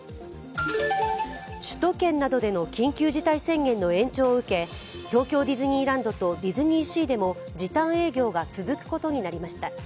首都圏などでの緊急事態宣言の延長を受け東京ディズニーランドとディズニーシーでも時短営業が続くことになりました。